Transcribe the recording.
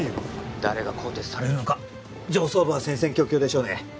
誰が更迭されるのか上層部は戦々恐々でしょうね